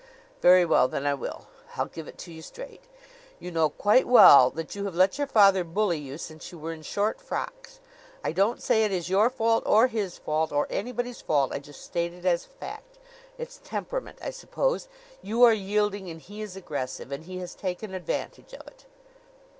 "Very well, then, I will. I'll give it to you straight. You know quite well that you have let your father bully you since you were in short frocks. I don't say it is your fault or his fault, or anybody's fault; I just state it as a fact. It's temperament, I suppose. You are yielding and he is aggressive; and he has taken advantage of it.